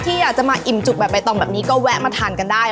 ที่อยากจะมาอิ่มจุกแบบใบตองแบบนี้ก็แวะมาทานกันได้